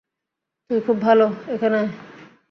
তুই খুব ভাল, এখানে আয়।